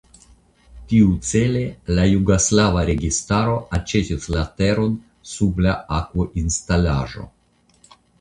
Tiucele la jugoslava registaro aĉetis la teron sub la akvoinstalaĵo.